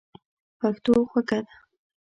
پښتو خوږه ده.